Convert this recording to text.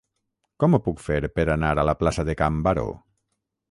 Com ho puc fer per anar a la plaça de Can Baró?